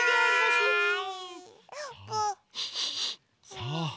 さあ